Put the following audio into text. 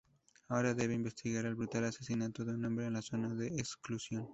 Ahora debe investigar el brutal asesinato de un hombre en la Zona de Exclusión.